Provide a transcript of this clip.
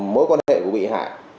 mối quan hệ của bị hại